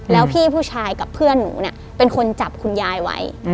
แล้วพี่ผู้ชายกับเพื่อนหนูเนี่ยเป็นคนจับคุณยายไว้